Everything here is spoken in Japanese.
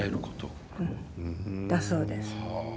だそうです。